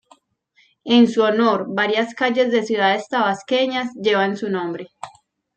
En su honor varias calles de ciudades tabasqueñas, llevan su nombre.